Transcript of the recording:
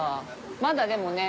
まだでもね